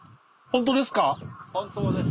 本当です。